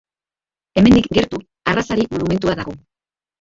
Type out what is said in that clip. Hemendik gertu, Arrazari Monumentua dago.